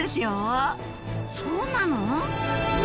そうなの？